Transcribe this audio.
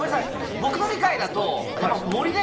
僕の理解だと。